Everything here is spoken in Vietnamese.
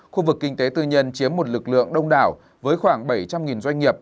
khu vực kinh tế tư nhân chiếm một lực lượng đông đảo với khoảng bảy trăm linh doanh nghiệp